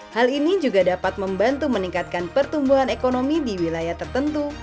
hal ini juga dapat membantu meningkatkan pertumbuhan ekonomi di wilayah tertentu